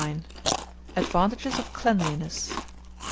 ADVANTAGES OF CLEANLINESS.